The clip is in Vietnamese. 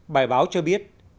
bài báo cho biết